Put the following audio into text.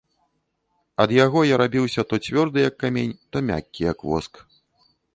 Ад яго я рабіўся то цвёрды, як камень, то мяккі, як воск.